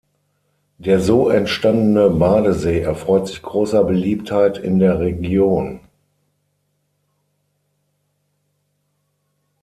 Der so entstandene Badesee erfreut sich großer Beliebtheit in der Region.